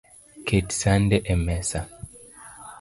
Ket sande emesa